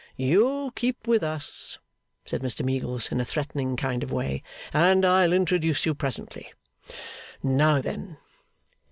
'You keep with us,' said Mr Meagles, in a threatening kind of Way, 'and I'll introduce you presently. Now then!